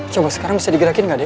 coba sekarang bisa di gerakin gak dek